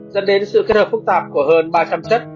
dẫn đến sự kết hợp phức tạp của hơn ba trăm linh chất